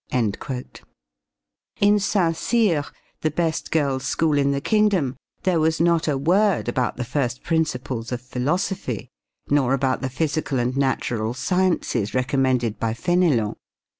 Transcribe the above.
" In Saint Cyr, the best girls' school in the kingdom, there was not a word about the first principles of philosophy, nor about the physical and natural sciences recommended by Fénelon.